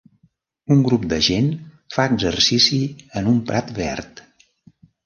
Un grup de gent fa exercici en un prat verd.